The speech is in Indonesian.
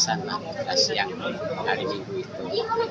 sana siang hari minggu itu